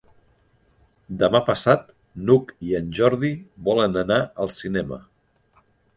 Demà passat n'Hug i en Jordi volen anar al cinema.